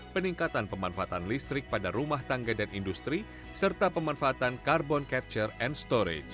peningkatan pemanfaatan listrik pada rumah tangga dan industri serta pemanfaatan carbon capture and storage